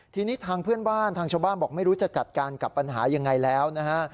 ทีนี้ทางเพื่อนบ้านทางชาวบ้านบอกไม่รู้จะจัดการกับปัญหายังไงแล้วนะฮะ